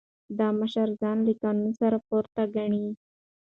دا مشر ځان له قانون پورته ګڼي.